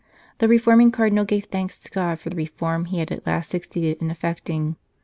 The reforming Cardinal gave thanks to God for the reform he had at last succeeded in effect ing.